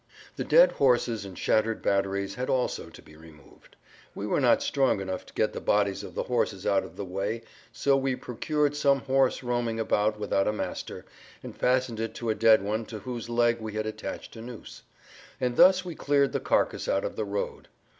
The dead horses and shattered batteries had also to be removed. We were not strong enough to get the bodies of the horses out of the way so we procured some horse roaming about without a master, and fastened it to a dead one to whose leg we had attached a noose, and thus we cleared the carcass out of the road.